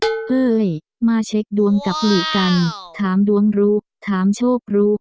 เอ้ยมาเช็คดวงกับหลีกันถามดวงรู้ถามโชครู้